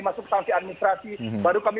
masuk sanksi administrasi baru kami